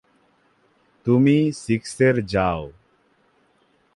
তুমি সিক্সের যাও!